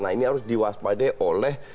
nah ini harus diwaspadai oleh